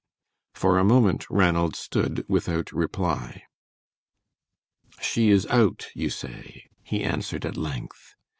For a moment Ranald stood without reply. "She is out, you say?" he answered at length.